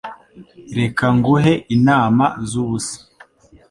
Reka nguhe inama zubusa.